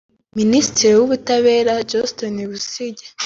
Minitri w’ubutabera Johnston Busingye